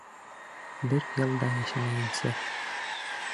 Бер йыл да йәшәмәйенсә...